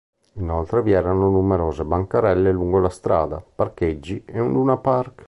Inoltre vi erano numerose bancarelle lungo la strada, parcheggi, e un luna park.